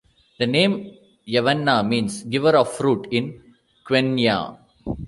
The name Yavanna means "Giver of Fruit" in Quenya.